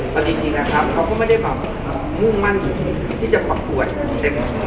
แต่จริงนะครับเขาก็ไม่ได้ความมุ่งมั่นอยู่ที่จะปกปวดเต็มอะไรทั้ง